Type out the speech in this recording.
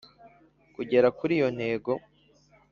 kugera kuri iyo ntego